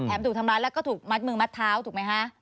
ถูกทำร้ายแล้วก็ถูกมัดมือมัดเท้าถูกไหมคะ